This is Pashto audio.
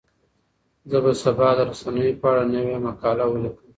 زه به سبا د رسنیو په اړه نوې مقاله ولیکم.